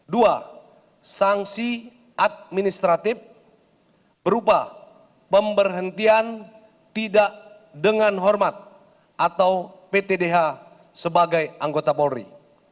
dua sanksi administratif berupa pemberhentian tidak dengan hormat atau ptdh sebagai anggota polri